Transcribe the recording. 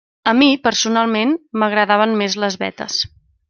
A mi personalment, m'agradaven més les vetes.